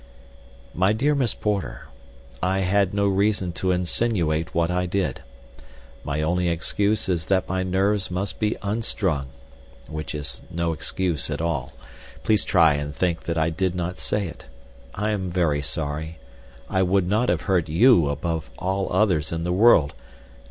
MY DEAR MISS PORTER: I had no reason to insinuate what I did. My only excuse is that my nerves must be unstrung—which is no excuse at all. Please try and think that I did not say it. I am very sorry. I would not have hurt you, above all others in the world.